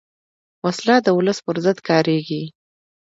وسله د ولس پر ضد کارېږي